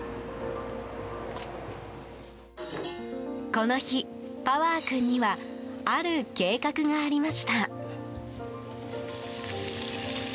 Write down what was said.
この日、パワー君にはある計画がありました。